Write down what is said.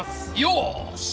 よし。